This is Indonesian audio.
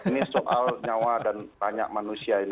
ini soal nyawa dan tanya manusia